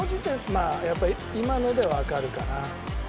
まあやっぱ今のでわかるかな」